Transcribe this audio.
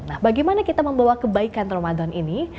nah bagaimana kita membawa kebaikan ramadan ini